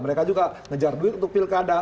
mereka juga ngejar duit untuk pilkada